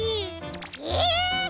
え！